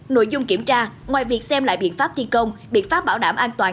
nội dung kiểm tra ngoài việc xem lại biệt pháp thi công biệt pháp bảo đảm an toàn